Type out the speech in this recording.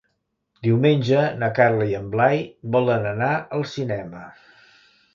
Diumenge na Carla i en Blai volen anar al cinema.